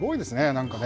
なんかね。